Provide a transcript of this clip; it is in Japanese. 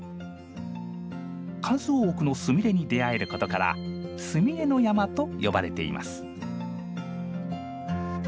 数多くのスミレに出会えることから「スミレの山」と呼ばれています。